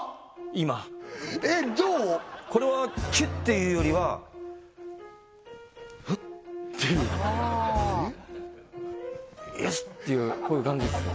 今これはキュッていうよりはフッていうよしっていうこういう感じっすね